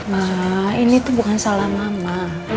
malah ini tuh bukan salah mama